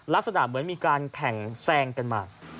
ลักษณะเหมือนมีการแข่งแซงกันมา